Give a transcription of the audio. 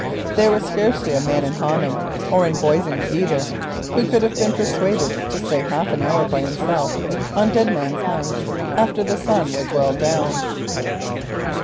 There was scarcely a man in Honham, or in Boisingham either, who could have been persuaded to stay half an hour by himself on Dead Man's Mount after the sun was well down.